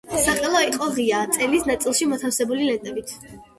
საყელო იყო ღია, წელის ნაწილში მოთავსებული ლენტებით.